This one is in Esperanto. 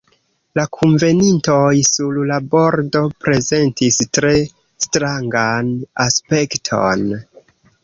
La kunvenintoj sur la bordo prezentis tre strangan aspekton.